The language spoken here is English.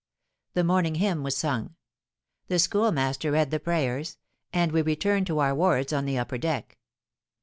The morning hymn was sung: the schoolmaster read the prayers; and we returned to our wards on the upper deck.